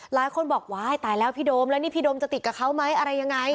หลายคนบอกว้ายตายแล้วพี่โดมแล้วนี่พี่โดมจะติดกับเขาไหมอะไรยังไง